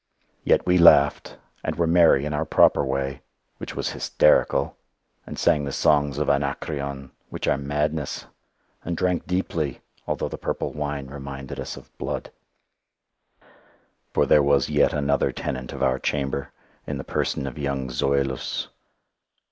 Yet we laughed and were merry in our proper way which was hysterical; and sang the songs of Anacreon which are madness; and drank deeply although the purple wine reminded us of blood. For there was yet another tenant of our chamber in the person of young Zoilus.